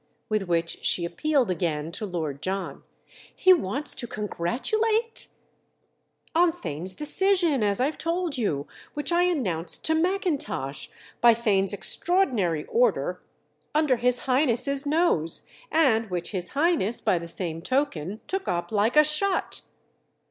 With which she appealed again to Lord John. "He wants to 'congratulate'?" "On Theign's decision, as I've told you—which I announced to Mackintosh, by Theign's extraordinary order, under his Highness's nose, and which his Highness, by the same token, took up like a shot."